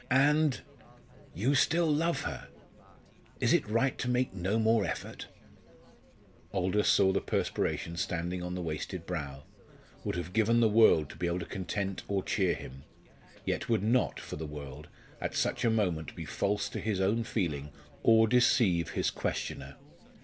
And you still love her. Is it right to make no more effort?" Aldous saw the perspiration standing on the wasted brow would have given the world to be able to content or cheer him yet would not, for the world, at such a moment be false to his own feeling or deceive his questioner.